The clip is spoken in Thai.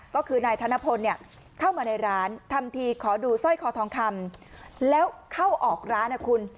ก็คือนายธนพลเนี่ยเข้ามาในร้านทำทีขอดูสร้อยคอทองคำแล้วเข้าออกร้านนะคุณ